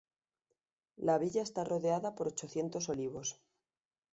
La villa está rodeada por ochocientos olivos.